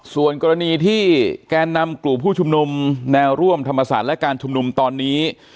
ส่วนกรณีที่แกนนำกลุ่มผู้ชุมนุมแนวร่วมธรรมศาสตร์และการชุมนุมตอนนี้